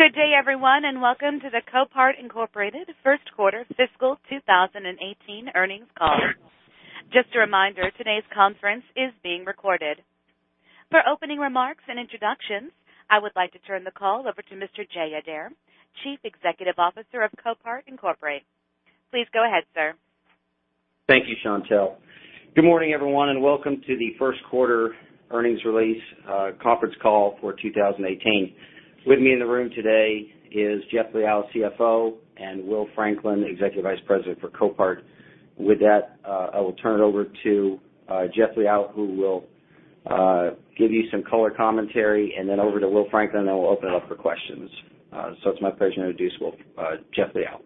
Good day, everyone. Welcome to the Copart, Inc. first quarter fiscal 2018 earnings call. Just a reminder, today's conference is being recorded. For opening remarks and introductions, I would like to turn the call over to Mr. Jay Adair, Chief Executive Officer of Copart, Inc. Please go ahead, sir. Thank you, Chantelle. Good morning, everyone. Welcome to the first quarter earnings release conference call for 2018. With me in the room today is Jeff Liaw, CFO, and Will Franklin, Executive Vice President for Copart. With that, I will turn it over to Jeff Liaw, who will give you some color commentary, and then over to Will Franklin, and then we'll open it up for questions. It's my pleasure to introduce Jeff Liaw.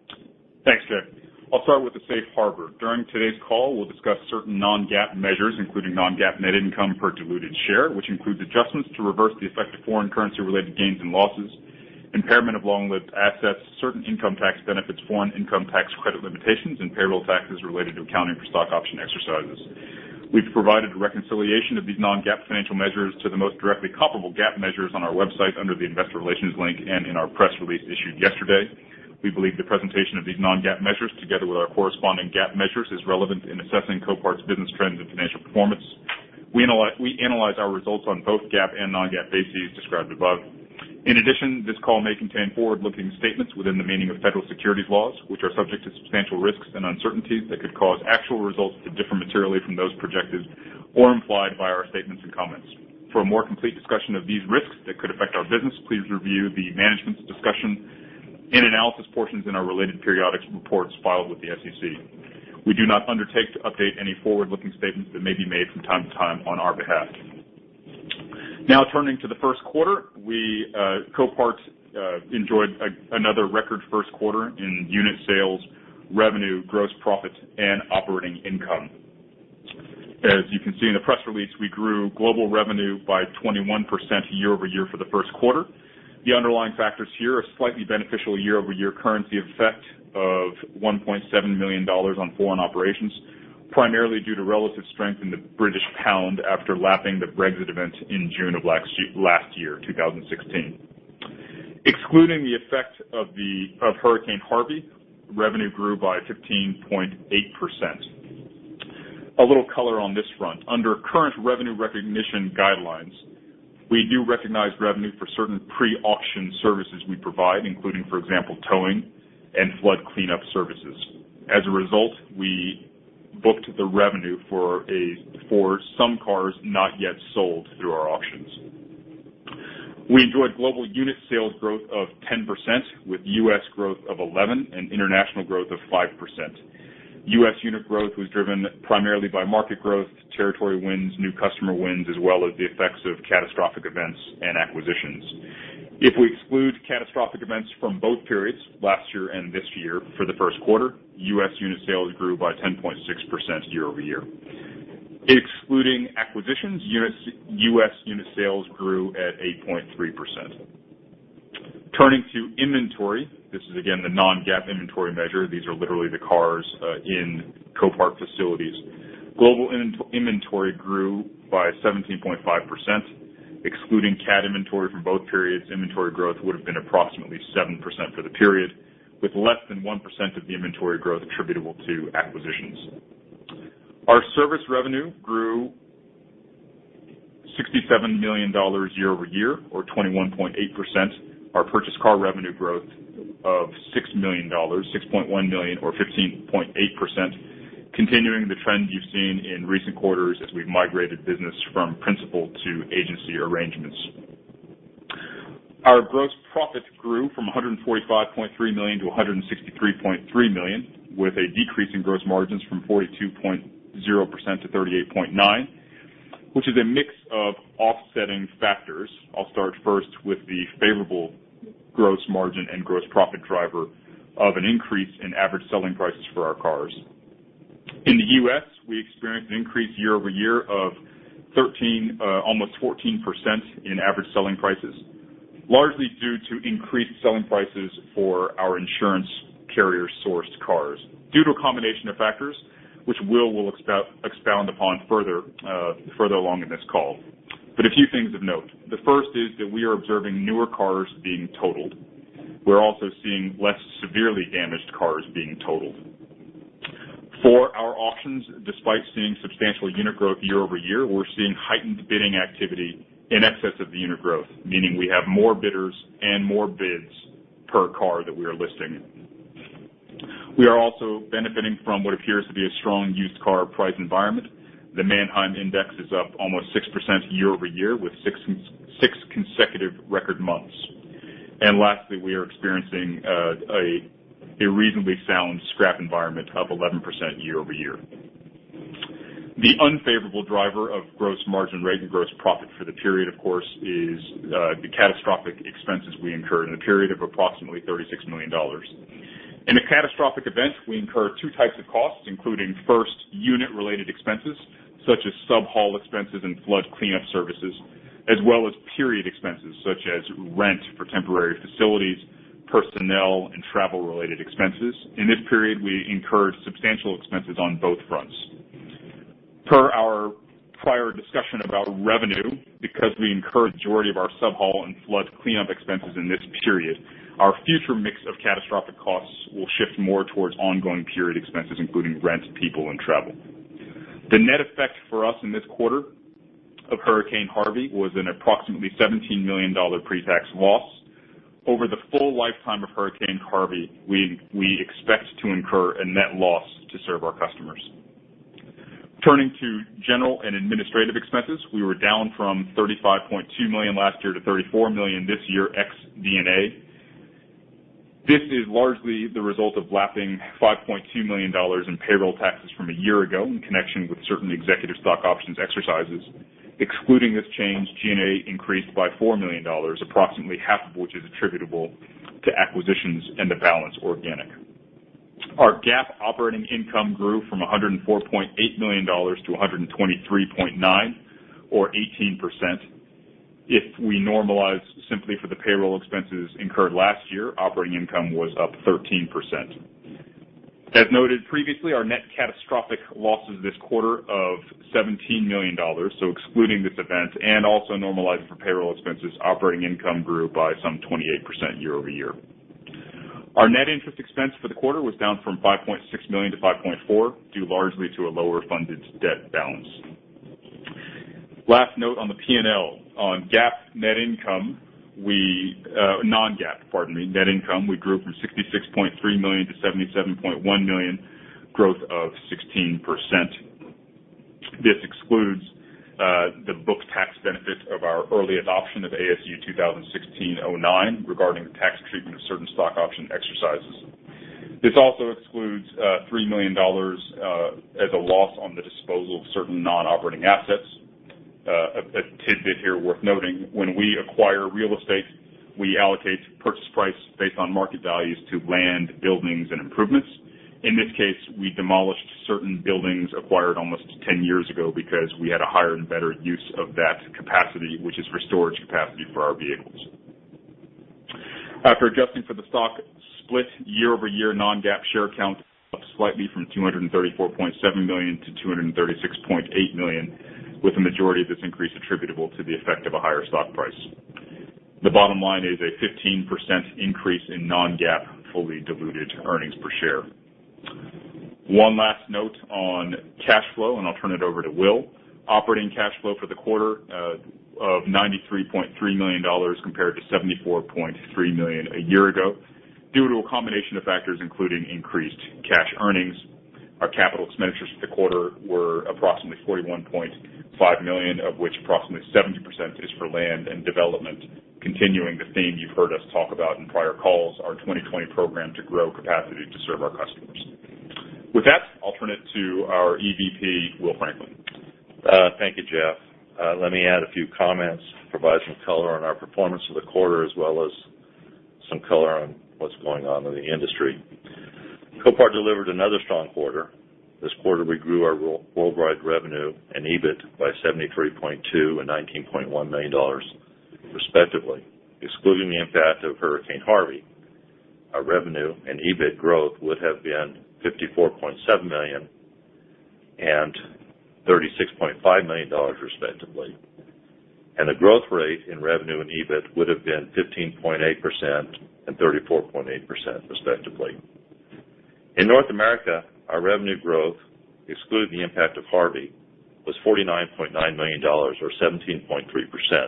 Thanks, Jay. I'll start with the safe harbor. During today's call, we'll discuss certain non-GAAP measures, including non-GAAP net income per diluted share, which includes adjustments to reverse the effect of foreign currency-related gains and losses, impairment of long-lived assets, certain income tax benefits, foreign income tax credit limitations, and payroll taxes related to accounting for stock option exercises. We've provided a reconciliation of these non-GAAP financial measures to the most directly comparable GAAP measures on our website under the Investor Relations link and in our press release issued yesterday. We believe the presentation of these non-GAAP measures, together with our corresponding GAAP measures, is relevant in assessing Copart's business trends and financial performance. We analyze our results on both GAAP and non-GAAP bases described above. In addition, this call may contain forward-looking statements within the meaning of federal securities laws, which are subject to substantial risks and uncertainties that could cause actual results to differ materially from those projected or implied by our statements and comments. For a more complete discussion of these risks that could affect our business, please review the Management's Discussion and Analysis portions in our related periodic reports filed with the SEC. We do not undertake to update any forward-looking statements that may be made from time to time on our behalf. Now turning to the first quarter. Copart enjoyed another record first quarter in unit sales, revenue, gross profit, and operating income. As you can see in the press release, we grew global revenue by 21% year-over-year for the first quarter. The underlying factors here are slightly beneficial year-over-year currency effect of $1.7 million on foreign operations, primarily due to relative strength in the British pound after lapping the Brexit event in June 2016. Excluding the effect of Hurricane Harvey, revenue grew by 15.8%. A little color on this front. Under current revenue recognition guidelines, we do recognize revenue for certain pre-auction services we provide, including, for example, towing and flood cleanup services. As a result, we booked the revenue for some cars not yet sold through our auctions. We enjoyed global unit sales growth of 10%, with U.S. growth of 11% and international growth of 5%. U.S. unit growth was driven primarily by market growth, territory wins, new customer wins, as well as the effects of catastrophic events and acquisitions. If we exclude catastrophic events from both periods, last year and this year, for the first quarter, U.S. unit sales grew by 10.6% year-over-year. Excluding acquisitions, U.S. unit sales grew at 8.3%. Turning to inventory, this is again the non-GAAP inventory measure. These are literally the cars in Copart facilities. Global inventory grew by 17.5%. Excluding CAT inventory from both periods, inventory growth would have been approximately 7% for the period, with less than 1% of the inventory growth attributable to acquisitions. Our service revenue grew $67 million year-over-year, or 21.8%. Our purchased car revenue growth of $6.1 million or 15.8%, continuing the trend you've seen in recent quarters as we've migrated business from principal to agency arrangements. Our gross profit grew from $145.3 million to $163.3 million, with a decrease in gross margins from 42.0% to 38.9%, which is a mix of offsetting factors. I'll start first with the favorable gross margin and gross profit driver of an increase in average selling prices for our cars. In the U.S., we experienced an increase year-over-year of 13%, almost 14%, in average selling prices, largely due to increased selling prices for our insurance carrier-sourced cars due to a combination of factors which Will will expound upon further along in this call. A few things of note. The first is that we are observing newer cars being totaled. We're also seeing less severely damaged cars being totaled. For our auctions, despite seeing substantial unit growth year-over-year, we're seeing heightened bidding activity in excess of the unit growth, meaning we have more bidders and more bids per car that we are listing. We are also benefiting from what appears to be a strong used car price environment. The Manheim Index is up almost 6% year-over-year, with six consecutive record months. Lastly, we are experiencing a reasonably sound scrap environment of 11% year-over-year. The unfavorable driver of gross margin rate and gross profit for the period, of course, is the catastrophic expenses we incurred in the period of approximately $36 million. In a catastrophic event, we incur 2 types of costs, including first unit-related expenses such as sub-haul expenses and flood cleanup services, as well as period expenses such as rent for temporary facilities, personnel, and travel-related expenses. In this period, we incurred substantial expenses on both fronts. Per our prior discussion about revenue, because we incurred the majority of our sub-haul and flood cleanup expenses in this period, our future mix of catastrophic costs will shift more towards ongoing period expenses, including rent, people, and travel. The net effect for us in this quarter of Hurricane Harvey was an approximately $17 million pre-tax loss. Over the full lifetime of Hurricane Harvey, we expect to incur a net loss to serve our customers. Turning to general and administrative expenses, we were down from $35.2 million last year to $34 million this year, ex D&A. This is largely the result of lapping $5.2 million in payroll taxes from a year ago in connection with certain executive stock options exercises. Excluding this change, G&A increased by $4 million, approximately half of which is attributable to acquisitions and the balance organic. Our GAAP operating income grew from $104.8 million to $123.9 million or 18%. If we normalize simply for the payroll expenses incurred last year, operating income was up 13%. As noted previously, our net catastrophic loss is this quarter of $17 million. Excluding this event and also normalizing for payroll expenses, operating income grew by some 28% year-over-year. Our net interest expense for the quarter was down from $5.6 million to $5.4 million, due largely to a lower funded debt balance. Last note on the P&L. On GAAP net income, non-GAAP, pardon me, net income, we grew from $66.3 million to $77.1 million, growth of 16%. This excludes the book tax benefit of our early adoption of ASU 2016-09 regarding the tax treatment of certain stock option exercises. This also excludes $3 million as a loss on the disposal of certain non-operating assets. A tidbit here worth noting, when we acquire real estate, we allocate purchase price based on market values to land, buildings, and improvements. In this case, we demolished certain buildings acquired almost 10 years ago because we had a higher and better use of that capacity, which is for storage capacity for our vehicles. After adjusting for the stock split, year-over-year non-GAAP share count up slightly from 234.7 million to 236.8 million, with the majority of this increase attributable to the effect of a higher stock price. The bottom line is a 15% increase in non-GAAP fully diluted earnings per share. One last note on cash flow, and I'll turn it over to Will. Operating cash flow for the quarter of $93.3 million compared to $74.3 million a year ago. Due to a combination of factors, including increased cash earnings. Our capital expenditures for the quarter were approximately $41.5 million, of which approximately 70% is for land and development. Continuing the theme you've heard us talk about in prior calls, our 20-20 program to grow capacity to serve our customers. With that, I'll turn it to our EVP, Will Franklin. Thank you, Jeff. Let me add a few comments, provide some color on our performance for the quarter, as well as some color on what's going on in the industry. Copart delivered another strong quarter. This quarter, we grew our worldwide revenue and EBIT by $73.2 million and $19.1 million respectively. Excluding the impact of Hurricane Harvey, our revenue and EBIT growth would have been $54.7 million and $36.5 million respectively, and the growth rate in revenue and EBIT would have been 15.8% and 34.8% respectively. In North America, our revenue growth, excluding the impact of Harvey, was $49.9 million or 17.3%.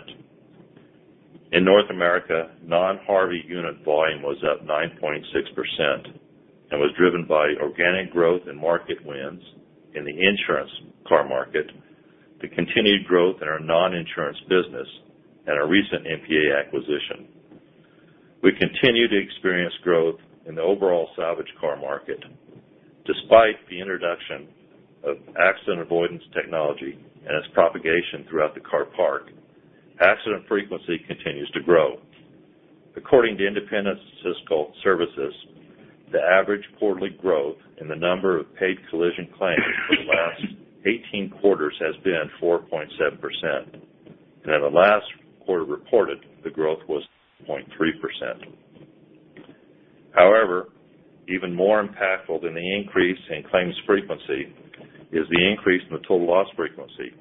In North America, non-Harvey unit volume was up 9.6% and was driven by organic growth and market wins in the insurance car market, the continued growth in our non-insurance business, and our recent NPA acquisition. We continue to experience growth in the overall salvage car market. Despite the introduction of accident avoidance technology and its propagation throughout the car park, accident frequency continues to grow. According to independent statistical services, the average quarterly growth in the number of paid collision claims for the last 18 quarters has been 4.7%. In the last quarter reported, the growth was 4.3%. However, even more impactful than the increase in claims frequency is the increase in the total loss frequency,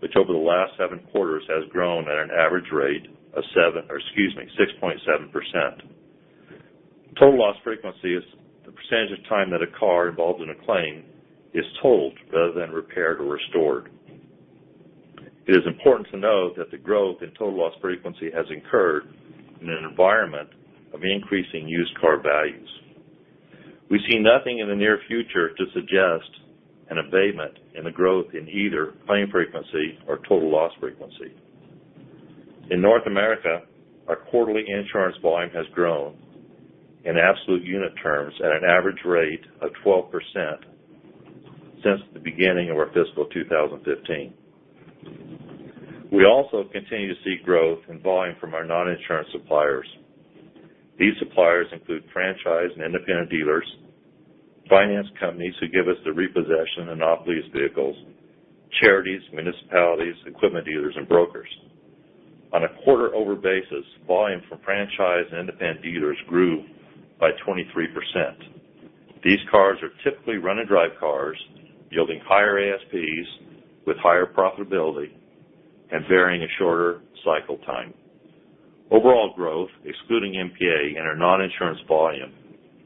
which over the last seven quarters has grown at an average rate of 6.7%. Total loss frequency is the percentage of time that a car involved in a claim is totaled rather than repaired or restored. It is important to note that the growth in total loss frequency has incurred in an environment of increasing used car values. We see nothing in the near future to suggest an abatement in the growth in either claim frequency or total loss frequency. In North America, our quarterly insurance volume has grown in absolute unit terms at an average rate of 12% since the beginning of our fiscal 2015. We also continue to see growth in volume from our non-insurance suppliers. These suppliers include franchise and independent dealers, finance companies who give us the repossession and off-lease vehicles, charities, municipalities, equipment dealers, and brokers. On a quarter-over basis, volume from franchise and independent dealers grew by 23%. These cars are typically run and drive cars yielding higher ASPs with higher profitability and varying a shorter cycle time. Overall growth, excluding NPA and our non-insurance volume,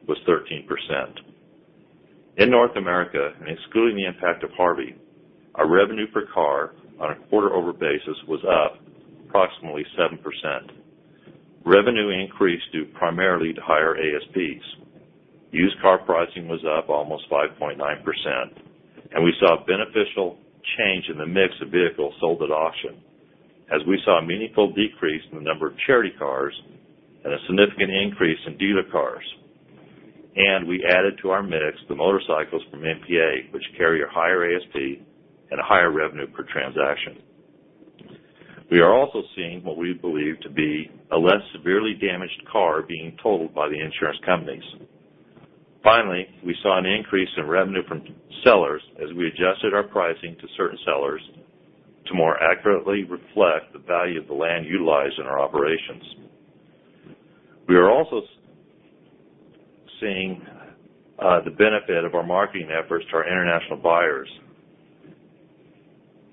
was 13%. In North America, and excluding the impact of Harvey, our revenue per car on a quarter-over basis was up approximately 7%. Revenue increased due primarily to higher ASPs. Used car pricing was up almost 5.9%. We saw a beneficial change in the mix of vehicles sold at auction as we saw a meaningful decrease in the number of charity cars and a significant increase in dealer cars. We added to our mix the motorcycles from NPA, which carry a higher ASP and a higher revenue per transaction. We are also seeing what we believe to be a less severely damaged car being totaled by the insurance companies. Finally, we saw an increase in revenue from sellers as we adjusted our pricing to certain sellers to more accurately reflect the value of the land utilized in our operations. We are also seeing the benefit of our marketing efforts to our international buyers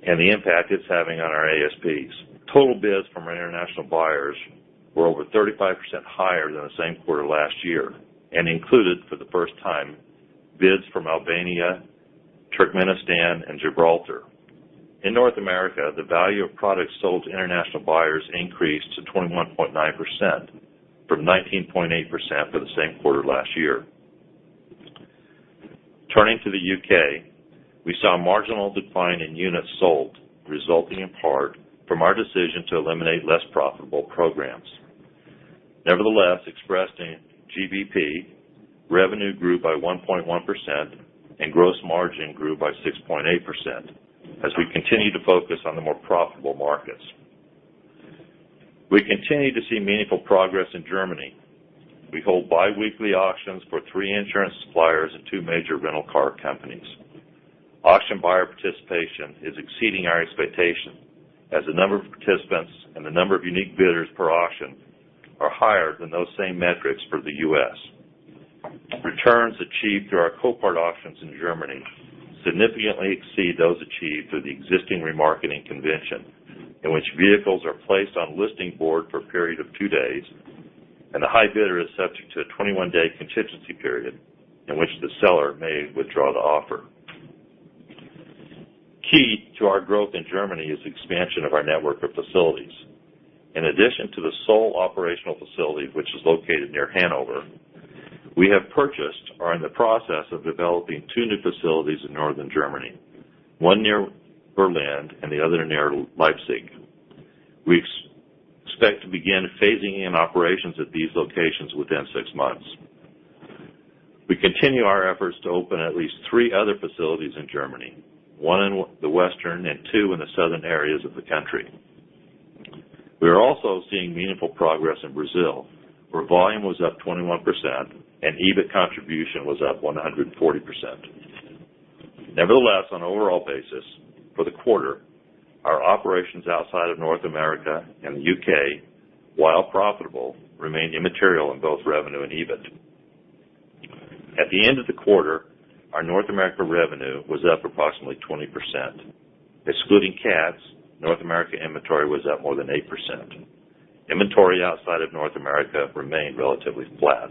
and the impact it's having on our ASPs. Total bids from our international buyers were over 35% higher than the same quarter last year and included, for the first time, bids from Albania, Turkmenistan, and Gibraltar. In North America, the value of products sold to international buyers increased to 21.9% from 19.8% for the same quarter last year. Turning to the U.K., we saw a marginal decline in units sold, resulting in part from our decision to eliminate less profitable programs. Nevertheless, expressed in GBP, revenue grew by 1.1% and gross margin grew by 6.8% as we continue to focus on the more profitable markets. We continue to see meaningful progress in Germany. We hold biweekly auctions for three insurance suppliers and two major rental car companies. Auction buyer participation is exceeding our expectation as the number of participants and the number of unique bidders per auction are higher than those same metrics for the U.S. Returns achieved through our Copart auctions in Germany significantly exceed those achieved through the existing remarketing convention in which vehicles are placed on a listing board for a period of two days, and the high bidder is subject to a 21-day contingency period in which the seller may withdraw the offer. Key to our growth in Germany is expansion of our network of facilities. In addition to the sole operational facility which is located near Hanover, we have purchased or are in the process of developing two new facilities in Northern Germany. One near Berlin and the other near Leipzig. We expect to begin phasing in operations at these locations within six months. We continue our efforts to open at least three other facilities in Germany, one in the western and two in the southern areas of the country. We are also seeing meaningful progress in Brazil, where volume was up 21% and EBIT contribution was up 140%. Nevertheless, on an overall basis, for the quarter, our operations outside of North America and the U.K., while profitable, remain immaterial in both revenue and EBIT. At the end of the quarter, our North America revenue was up approximately 20%. Excluding CATs, North America inventory was up more than 8%. Inventory outside of North America remained relatively flat.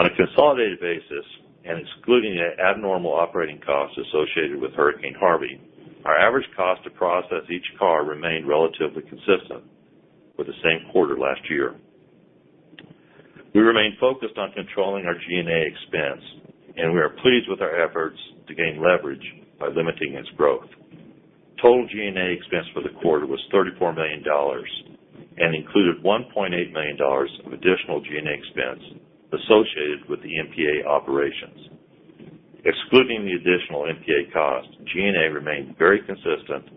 On a consolidated basis and excluding the abnormal operating costs associated with Hurricane Harvey, our average cost to process each car remained relatively consistent with the same quarter last year. We remain focused on controlling our G&A expense, and we are pleased with our efforts to gain leverage by limiting its growth. Total G&A expense for the quarter was $34 million and included $1.8 million of additional G&A expense associated with the NPA operations. Excluding the additional NPA cost, G&A remained very consistent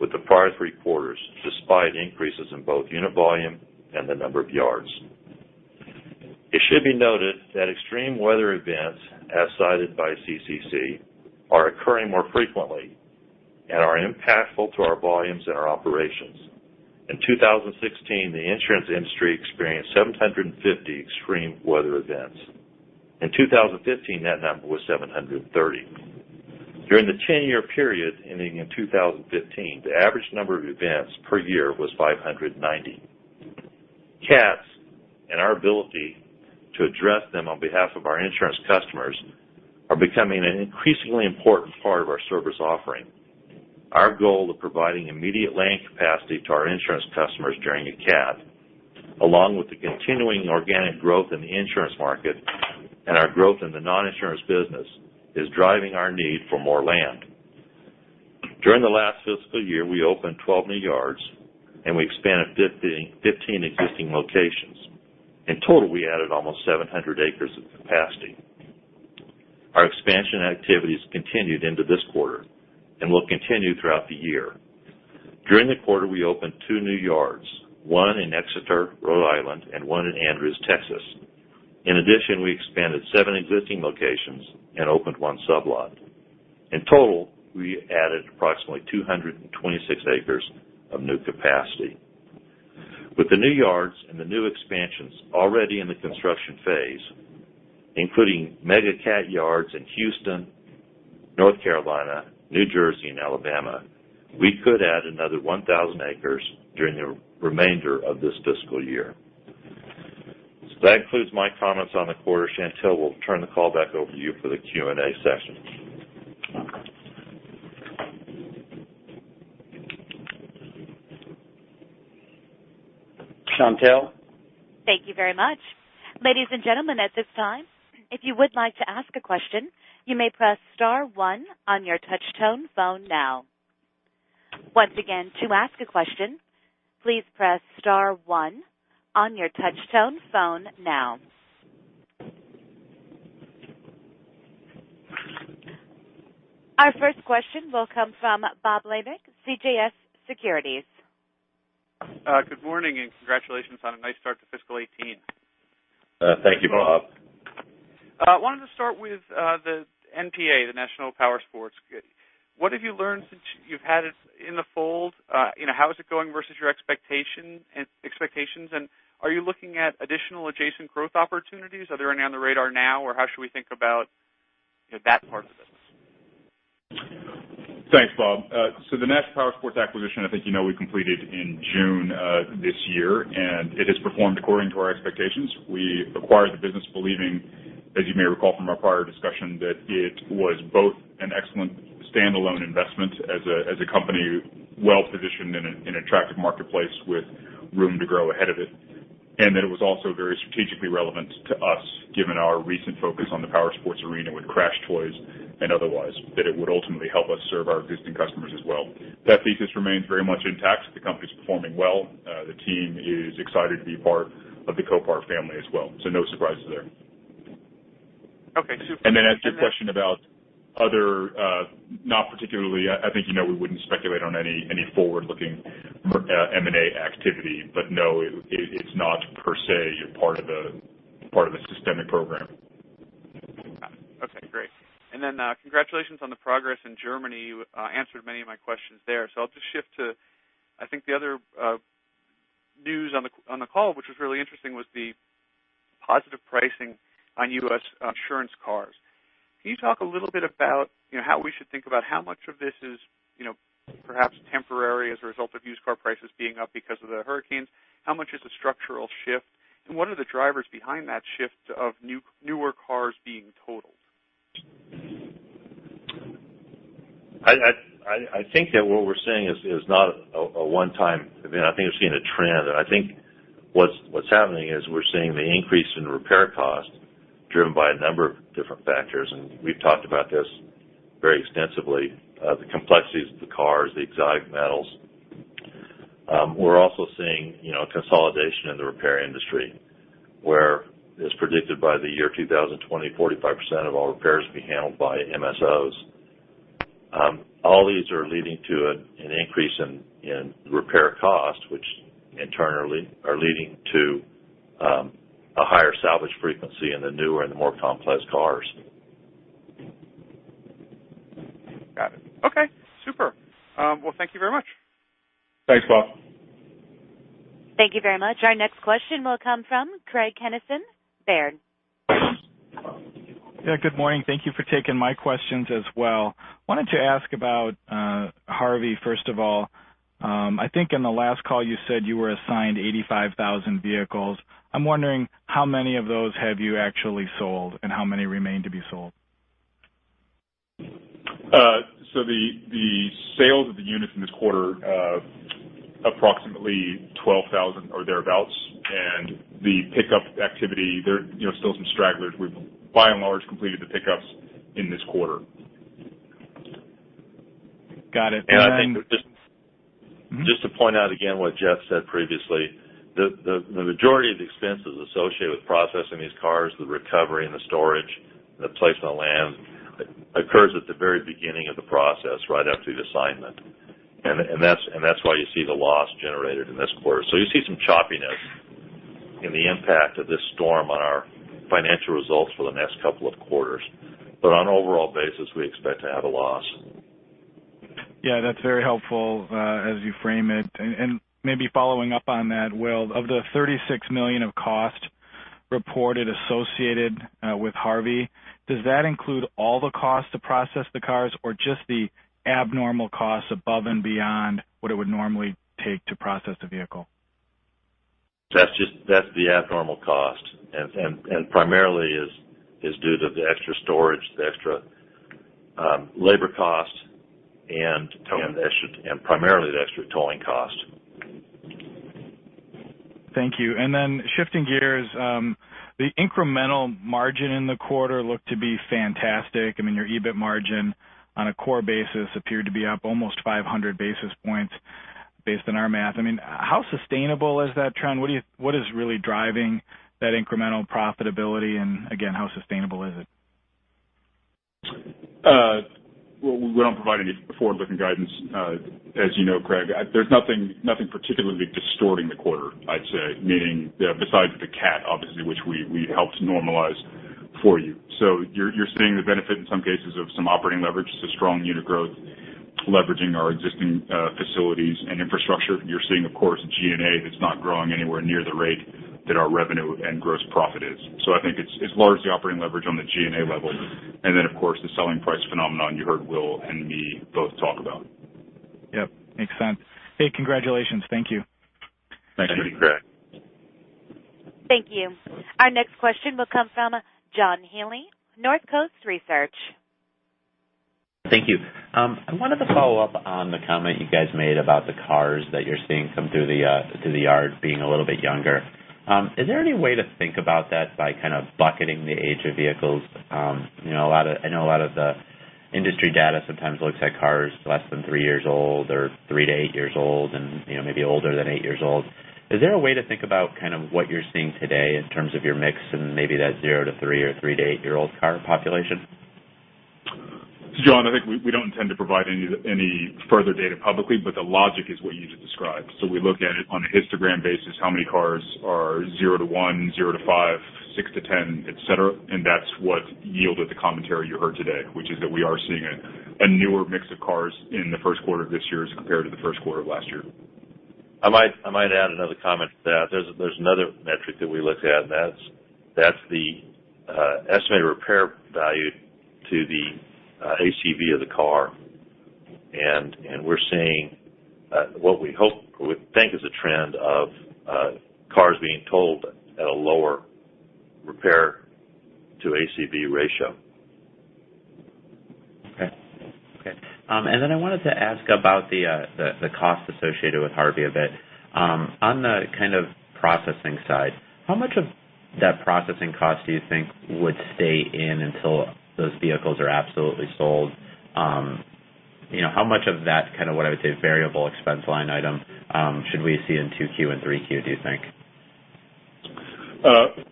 with the prior three quarters, despite increases in both unit volume and the number of yards. It should be noted that extreme weather events, as cited by CCC, are occurring more frequently and are impactful to our volumes and our operations. In 2016, the insurance industry experienced 750 extreme weather events. In 2015, that number was 730. During the 10-year period ending in 2015, the average number of events per year was 590. CATs and our ability to address them on behalf of our insurance customers are becoming an increasingly important part of our service offering. Our goal of providing immediate land capacity to our insurance customers during a CAT, along with the continuing organic growth in the insurance market and our growth in the non-insurance business, is driving our need for more land. During the last fiscal year, we opened 12 new yards and we expanded 15 existing locations. In total, we added almost 700 acres of capacity. Our expansion activities continued into this quarter and will continue throughout the year. During the quarter, we opened two new yards, one in Exeter, Rhode Island, and one in Andrews, Texas. In addition, we expanded seven existing locations and opened one sublot. In total, we added approximately 226 acres of new capacity. With the new yards and the new expansions already in the construction phase, including mega CAT yards in Houston, North Carolina, New Jersey, and Alabama, we could add another 1,000 acres during the remainder of this fiscal year. That concludes my comments on the quarter. Chantelle, we'll turn the call back over to you for the Q&A session. Chantelle? Thank you very much. Ladies and gentlemen, at this time, if you would like to ask a question, you may press star one on your touch-tone phone now. Once again, to ask a question, please press star one on your touch-tone phone now. Our first question will come from Bob Labick, CJS Securities. Good morning. Congratulations on a nice start to fiscal 2018. Thank you, Bob. I wanted to start with the NPA, the National Powersport Auctions. What have you learned since you've had it in the fold? How is it going versus your expectations? Are you looking at additional adjacent growth opportunities? Are there any on the radar now, or how should we think about that part of the business? Thanks, Bob. The National Powersport Auctions acquisition, I think you know we completed in June of this year, and it has performed according to our expectations. We acquired the business believing, as you may recall from our prior discussion, that it was both an excellent standalone investment as a company well-positioned in an attractive marketplace with room to grow ahead of it, and that it was also very strategically relevant to us, given our recent focus on the power sports arena with CrashedToys and otherwise, that it would ultimately help us serve our existing customers as well. That thesis remains very much intact. The company's performing well. The team is excited to be part of the Copart family as well. No surprises there. Okay. Super. As to your question about other, not particularly, I think you know we wouldn't speculate on any forward-looking M&A activity. No, it's not per se part of a systemic program. Got it. Okay, great. Congratulations on the progress in Germany. You answered many of my questions there. I'll just shift to, I think the other news on the call, which was really interesting, was the positive pricing on U.S. insurance cars. Can you talk a little bit about how we should think about how much of this is perhaps temporary as a result of used car prices being up because of the hurricanes? How much is a structural shift, and what are the drivers behind that shift of newer cars being totaled? I think that what we're seeing is not a one-time event. I think we're seeing a trend. I think what's happening is we're seeing the increase in repair costs driven by a number of different factors. We've talked about this very extensively, the complexities of the cars, the exotic metals. We're also seeing consolidation in the repair industry, where as predicted by the year 2020, 45% of all repairs will be handled by MSOs. All these are leading to an increase in repair costs, which in turn are leading to a higher salvage frequency in the newer and the more complex cars. Got it. Okay, super. Thank you very much. Thanks, Bob Labick. Thank you very much. Our next question will come from Craig Kennison, Baird. Yeah, good morning. Thank you for taking my questions as well. Wanted to ask about Harvey, first of all. I think on the last call, you said you were assigned 85,000 vehicles. I'm wondering how many of those have you actually sold, and how many remain to be sold? The sales of the units in this quarter, approximately 12,000 or thereabouts. The pickup activity, there are still some stragglers. We've by and large completed the pickups in this quarter. Got it. I think just to point out again what Jeff said previously, the majority of the expenses associated with processing these cars, the recovery and the storage, the placement on land, occurs at the very beginning of the process, right after the assignment. That's why you see the loss generated in this quarter. You see some choppiness in the impact of this storm on our financial results for the next couple of quarters. On an overall basis, we expect to have a loss. Yeah, that's very helpful as you frame it. Maybe following up on that, Will, of the $36 million of cost reported associated with Harvey, does that include all the costs to process the cars or just the abnormal costs above and beyond what it would normally take to process the vehicle? That's the abnormal cost, and primarily is due to the extra storage, the extra labor cost, and primarily the extra towing cost. Thank you. Then shifting gears, the incremental margin in the quarter looked to be fantastic. I mean, your EBIT margin on a core basis appeared to be up almost 500 basis points based on our math. How sustainable is that trend? What is really driving that incremental profitability? Again, how sustainable is it? We don't provide any forward-looking guidance. As you know, Craig, there's nothing particularly distorting the quarter, I'd say. Meaning, besides the CATs, obviously, which we helped normalize for you. You're seeing the benefit in some cases of some operating leverage, so strong unit growth, leveraging our existing facilities and infrastructure. You're seeing, of course, G&A, that's not growing anywhere near the rate that our revenue and gross profit is. I think it's largely operating leverage on the G&A level, and then of course, the selling price phenomenon you heard Will and me both talk about. Yep, makes sense. Hey, congratulations. Thank you. Thanks. Thank you. Our next question will come from John Healy, Northcoast Research. Thank you. I wanted to follow up on the comment you guys made about the cars that you're seeing come through the yard being a little bit younger. Is there any way to think about that by kind of bucketing the age of vehicles? I know a lot of the industry data sometimes looks at cars less than 3 years old or 3-8 years old and maybe older than 8 years old. Is there a way to think about what you're seeing today in terms of your mix and maybe that 0-3 or 3-8-year-old car population? John, I think we don't intend to provide any further data publicly. The logic is what you just described. We look at it on a histogram basis, how many cars are 0-1, 0-5, 6-10, et cetera, and that's what yielded the commentary you heard today, which is that we are seeing a newer mix of cars in the first quarter of this year as compared to the first quarter of last year. I might add another comment to that. There's another metric that we look at. That's the estimated repair value to the ACV of the car. We're seeing what we think is a trend of cars being totaled at a lower repair to ACV ratio. Okay. I wanted to ask about the cost associated with Hurricane Harvey a bit. On the kind of processing side, how much of that processing cost do you think would stay in until those vehicles are absolutely sold? How much of that kind of what I would say variable expense line item should we see in 2Q and 3Q, do you think?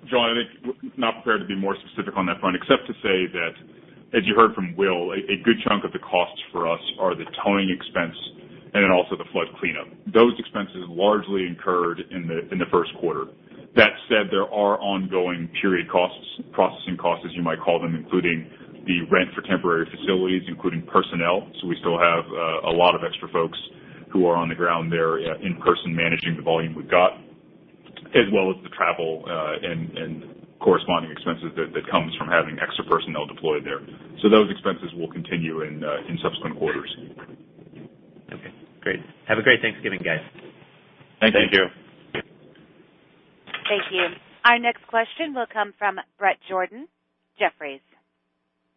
John, I think we're not prepared to be more specific on that front except to say that, as you heard from Will, a good chunk of the costs for us are the towing expense and then also the flood cleanup. Those expenses are largely incurred in the first quarter. That said, there are ongoing period costs, processing costs as you might call them, including the rent for temporary facilities, including personnel. We still have a lot of extra folks who are on the ground there in person managing the volume we've got, as well as the travel, and corresponding expenses that comes from having extra personnel deployed there. Those expenses will continue in subsequent quarters. Okay, great. Have a great Thanksgiving, guys. Thank you. Thank you. Thank you. Our next question will come from Bret Jordan, Jefferies.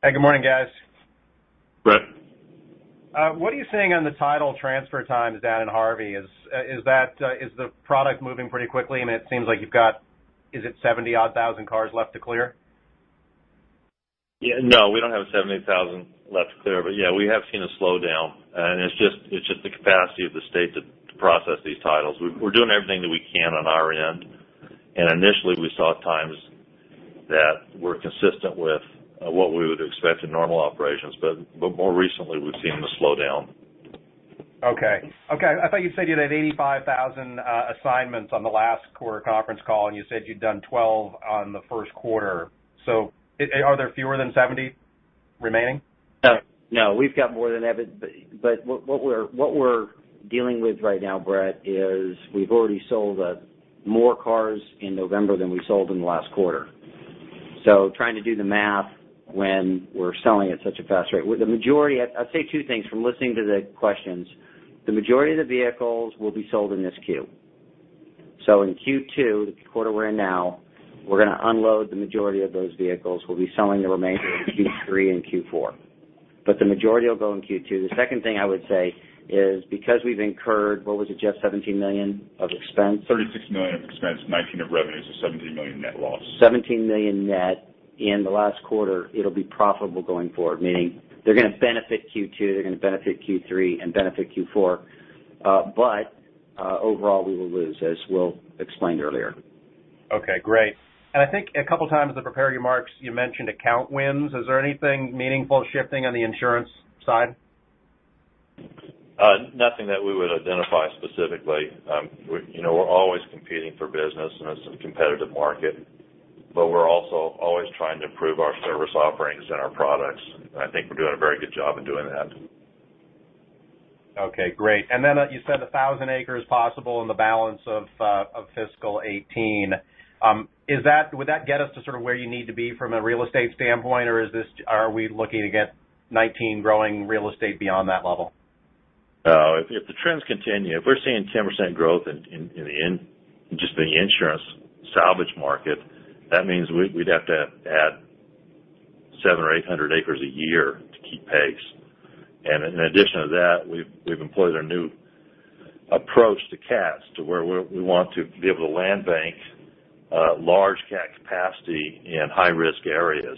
Hey, good morning, guys. Bret. What are you seeing on the title transfer times down in Harvey? Is the product moving pretty quickly? I mean, it seems like you've got, is it 70,000 odd cars left to clear? No, we don't have 70,000 left to clear, but yeah, we have seen a slowdown. It's just the capacity of the state to process these titles. We're doing everything that we can on our end, initially, we saw times that were consistent with what we would expect in normal operations. More recently, we've seen the slowdown. Okay. I thought you said you had 85,000 assignments on the last quarter conference call, and you said you'd done 12 on the first quarter. Are there fewer than 70 remaining? No, we've got more than that, what we're dealing with right now, Bret, is we've already sold more cars in November than we sold in the last quarter. Trying to do the math when we're selling at such a fast rate. I'll say two things from listening to the questions. The majority of the vehicles will be sold in this Q. In Q2, the quarter we're in now, we're going to unload the majority of those vehicles. We'll be selling the remainder in Q3 and Q4. The majority will go in Q2. The second thing I would say is because we've incurred, what was it, Jeff, $17 million of expense? $36 million of expense, $19 million of revenue, $17 million net loss. $17 million net in the last quarter, it'll be profitable going forward, meaning they're going to benefit Q2, they're going to benefit Q3, and benefit Q4. Overall, we will lose, as Will explained earlier. Okay, great. I think a couple of times in the prepared remarks you mentioned account wins. Is there anything meaningful shifting on the insurance side? Nothing that we would identify specifically. We're always competing for business, and it's a competitive market, but we're also always trying to improve our service offerings and our products. I think we're doing a very good job in doing that. Okay, great. Then you said 1,000 acres possible in the balance of fiscal 2018. Would that get us to sort of where you need to be from a real estate standpoint, or are we looking to get 2019 growing real estate beyond that level? If the trends continue, if we're seeing 10% growth in just the insurance salvage market, that means we'd have to add 700 or 800 acres a year to keep pace. In addition to that, we've employed our new approach to CATs, to where we want to be able to land bank large CAT capacity in high-risk areas.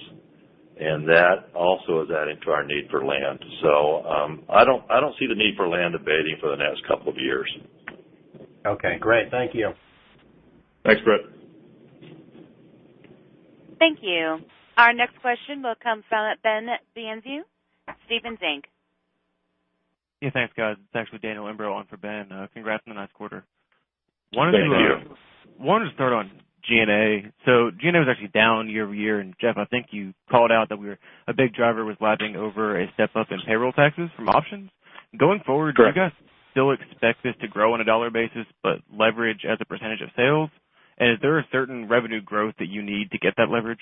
That also is adding to our need for land. I don't see the need for land abating for the next couple of years. Okay, great. Thank you. Thanks, Bret. Thank you. Our next question will come from Ben Bienvenu at Stephens Inc.. Yeah, thanks guys. It's actually Daniel Imbro on for Ben. Congrats on the nice quarter. Thank you. Wanted to start on G&A. G&A was actually down year-over-year. Jeff, I think you called out that a big driver was lapping over a step up in payroll taxes from options. Correct. Going forward, do you guys still expect this to grow on a dollar basis, but leverage as a % of sales? Is there a certain revenue growth that you need to get that leverage?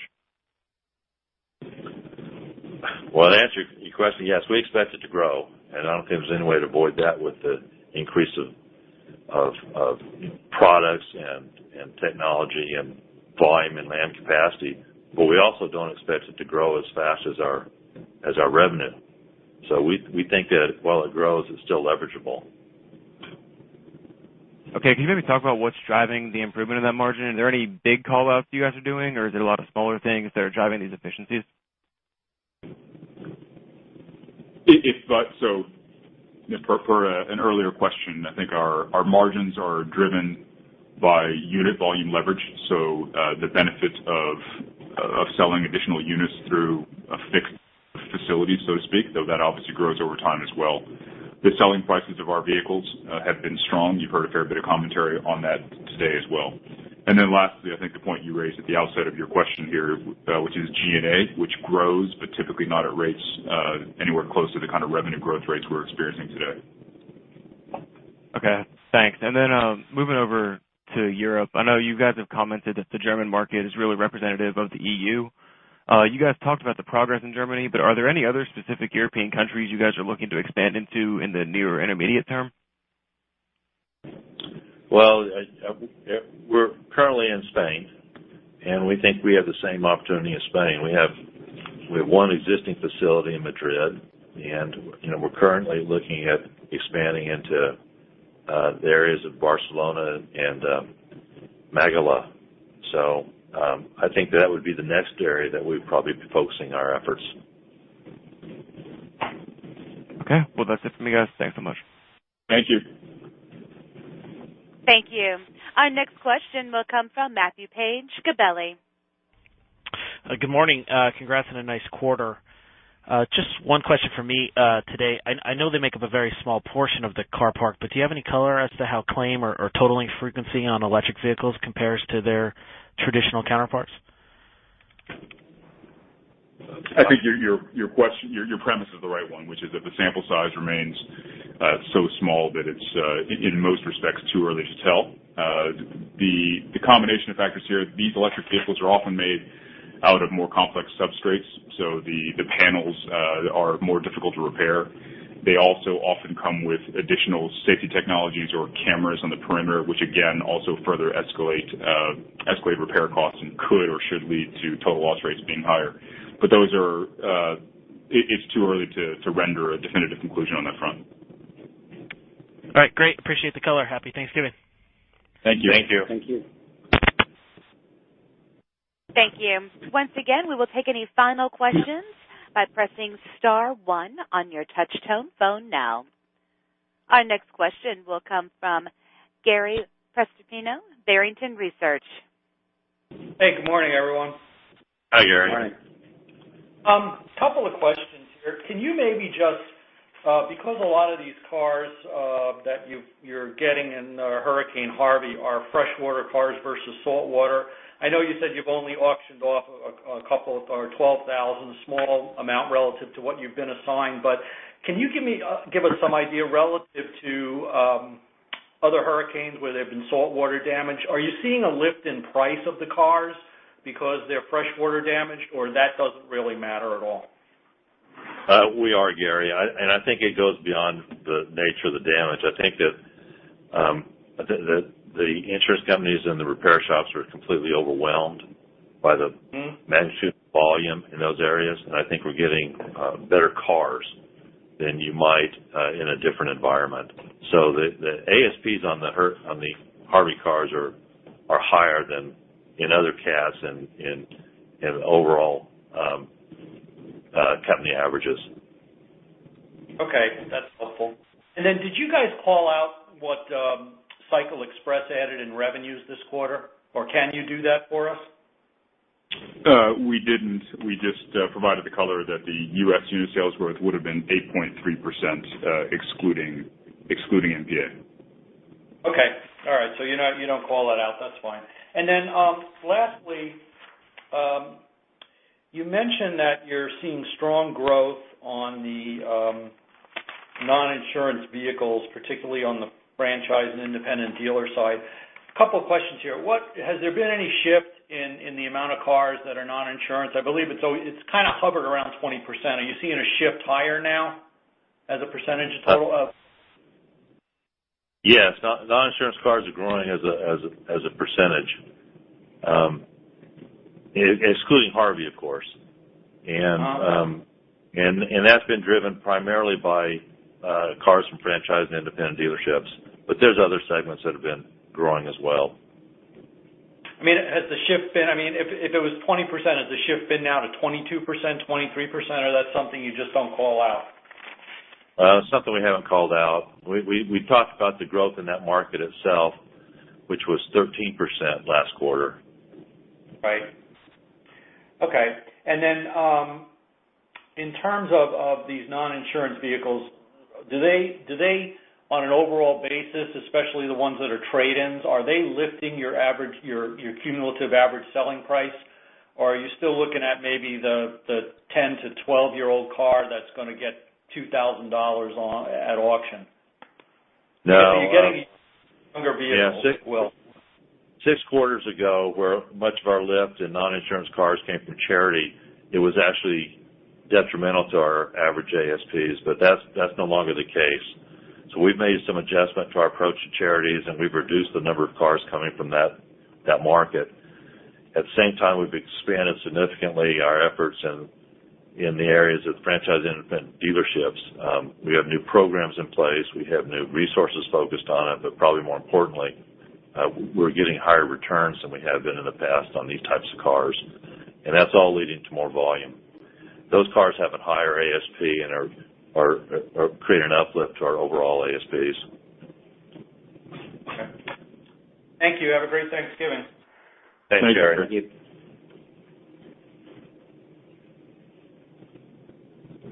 To answer your question, yes, we expect it to grow, and I don't think there's any way to avoid that with the increase of products and technology and volume and land capacity. We also don't expect it to grow as fast as our revenue. We think that while it grows, it's still leverageable. Okay. Can you maybe talk about what's driving the improvement of that margin? Are there any big call-outs you guys are doing, or is it a lot of smaller things that are driving these efficiencies? For an earlier question, I think our margins are driven by unit volume leverage. The benefit of selling additional units through a fixed facility, so to speak, though that obviously grows over time as well. The selling prices of our vehicles have been strong. You've heard a fair bit of commentary on that today as well. Lastly, I think the point you raised at the outset of your question here, which is G&A, which grows, but typically not at rates anywhere close to the kind of revenue growth rates we're experiencing today. Okay, thanks. Moving over to Europe, I know you guys have commented that the German market is really representative of the EU. You guys talked about the progress in Germany, but are there any other specific European countries you guys are looking to expand into in the near or intermediate term? We're currently in Spain, and we think we have the same opportunity as Spain. We have one existing facility in Madrid, and we're currently looking at expanding into the areas of Barcelona and Malaga. I think that would be the next area that we'd probably be focusing our efforts. Okay. Well, that's it for me, guys. Thanks so much. Thank you. Thank you. Our next question will come from Matthew Page, Gabelli. Good morning. Congrats on a nice quarter. Just one question from me today. I know they make up a very small portion of the car park, but do you have any color as to how claim or totaling frequency on electric vehicles compares to their traditional counterparts? I think your premise is the right one, which is if the sample size remains so small that it's, in most respects, too early to tell. The combination of factors here, these electric vehicles are often made out of more complex substrates, so the panels are more difficult to repair. They also often come with additional safety technologies or cameras on the perimeter, which again, also further escalate repair costs and could or should lead to total loss rates being higher. It's too early to render a definitive conclusion on that front. All right. Great. Appreciate the color. Happy Thanksgiving. Thank you. Thank you. Once again, we will take any final questions by pressing star one on your touch-tone phone now. Our next question will come from Gary Prestopino, Barrington Research. Hey, good morning, everyone. Hi, Gary. Morning. Couple of questions here. Because a lot of these cars that you're getting in Hurricane Harvey are freshwater cars versus saltwater, I know you said you've only auctioned off a couple or 12,000, small amount relative to what you've been assigned, can you give us some idea relative to other hurricanes where there've been saltwater damage? Are you seeing a lift in price of the cars because they're freshwater damaged, or that doesn't really matter at all? We are, Gary, I think it goes beyond the nature of the damage. I think that the insurance companies and the repair shops are completely overwhelmed by the magnitude and volume in those areas, I think we're getting better cars than you might in a different environment. The ASPs on the Harvey cars are higher than in other CATs and overall company averages. Okay, that's helpful. Did you guys call out what Title Express added in revenues this quarter, or can you do that for us? We didn't. We just provided the color that the U.S. unit sales growth would've been 8.3% excluding NPA. Okay. All right. You don't call it out, that's fine. Lastly, you mentioned that you're seeing strong growth on the non-insurance vehicles, particularly on the franchise and independent dealer side. Couple of questions here. Has there been any shift in the amount of cars that are non-insurance? I believe it's kind of hovered around 20%. Are you seeing a shift higher now as a percentage of total? Yes, non-insurance cars are growing as a percentage, excluding Harvey, of course. That's been driven primarily by cars from franchise and independent dealerships, but there's other segments that have been growing as well. If it was 20%, has the shift been now to 22%, 23%, or that's something you just don't call out? Something we haven't called out. We talked about the growth in that market itself, which was 13% last quarter. Right. Okay. Then in terms of these non-insurance vehicles, do they, on an overall basis, especially the ones that are trade-ins, are they lifting your cumulative average selling price? Or are you still looking at maybe the 10 to 12-year-old car that's going to get $2,000 at auction? No. Are you getting younger vehicles? Yeah. Six quarters ago, where much of our lift in non-insurance cars came from charity, it was actually detrimental to our average ASPs. That's no longer the case. We've made some adjustment to our approach to charities. We've reduced the number of cars coming from that market. At the same time, we've expanded significantly our efforts in the areas of franchise independent dealerships. We have new programs in place. We have new resources focused on it, but probably more importantly, we're getting higher returns than we have been in the past on these types of cars. That's all leading to more volume. Those cars have a higher ASP and are creating an uplift to our overall ASPs. Okay. Thank you. Have a great Thanksgiving. Thank you, Gary. Thank you.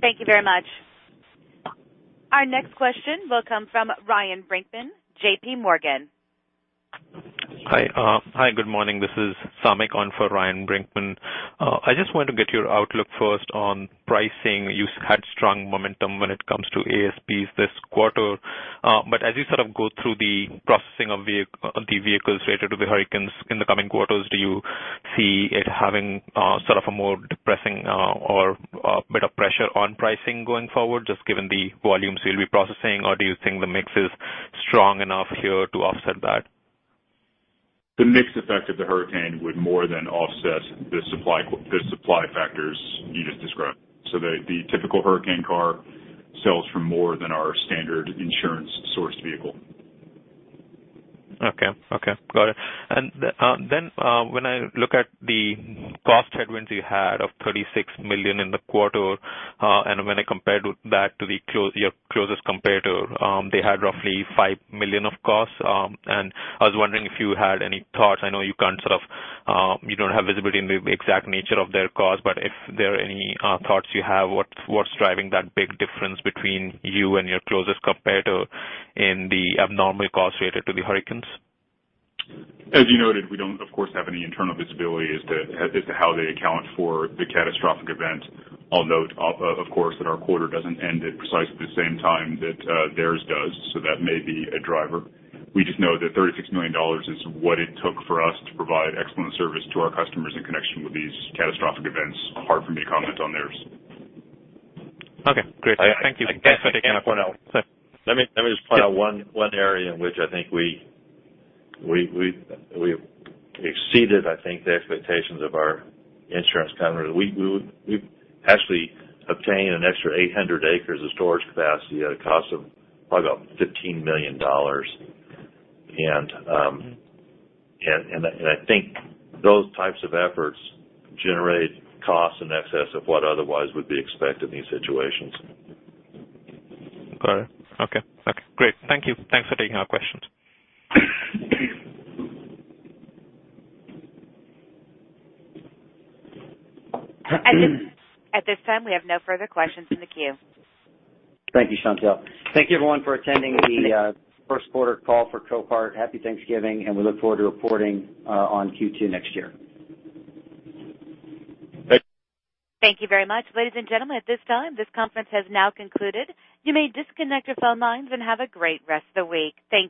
Thank you very much. Our next question will come from Ryan Brinkman, J.P. Morgan. Hi, good morning. This is Samik on for Ryan Brinkman. I just wanted to get your outlook first on pricing. You had strong momentum when it comes to ASPs this quarter. As you go through the processing of the vehicles related to the hurricanes in the coming quarters, do you see it having a more depressing or a bit of pressure on pricing going forward, just given the volumes you'll be processing? Do you think the mix is strong enough here to offset that? The mix effect of the hurricane would more than offset the supply factors you just described. The typical hurricane car sells for more than our standard insurance-sourced vehicle. Okay. Got it. When I look at the cost headwinds you had of $36 million in the quarter, when I compare that to your closest competitor, they had roughly $5 million of costs, I was wondering if you had any thoughts. I know you don't have visibility into the exact nature of their costs, if there are any thoughts you have, what's driving that big difference between you and your closest competitor in the abnormal cost related to the hurricanes? As you noted, we don't, of course, have any internal visibility as to how they account for the catastrophic event. I'll note, of course, that our quarter doesn't end at precisely the same time that theirs does, so that may be a driver. We just know that $36 million is what it took for us to provide excellent service to our customers in connection with these catastrophic events, apart from any comment on theirs. Okay, great. Thank you. Let me just point out one area in which I think we exceeded, I think, the expectations of our insurance customers. We've actually obtained an extra 800 acres of storage capacity at a cost of probably about $15 million. I think those types of efforts generate costs in excess of what otherwise would be expected in these situations. Got it. Okay. Great. Thank you. Thanks for taking our questions. At this time, we have no further questions in the queue. Thank you, Chantelle. Thank you, everyone for attending the first quarter call for Copart. Happy Thanksgiving, and we look forward to reporting on Q2 next year. Thank you very much, ladies and gentlemen. At this time, this conference has now concluded. You may disconnect your phone lines and have a great rest of the week. Thank you.